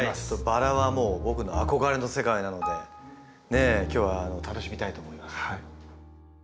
バラは僕の憧れの世界なので今日は楽しみたいと思います。